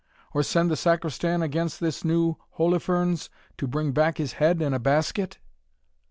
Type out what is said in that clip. or send the Sacristan against this new Holofernes, to bring back his head in a basket?"